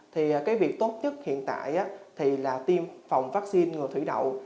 thì cái việc tốt nhất hiện tại thì là tiêm phòng vaccine ngừa thủy đậu